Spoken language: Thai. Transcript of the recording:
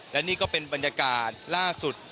และนี่ก็เป็นบรรยากาศล่าสุด